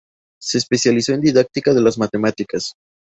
Se especializó en Didáctica de las Matemáticas.